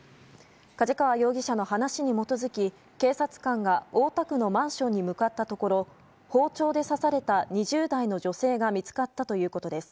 梶川容疑者の話に基づき警察官が大田区のマンションに向かったところ包丁で刺された２０代の女性が見つかったということです。